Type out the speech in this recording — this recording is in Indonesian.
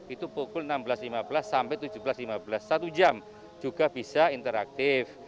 itu pukul enam belas lima belas sampai tujuh belas lima belas satu jam juga bisa interaktif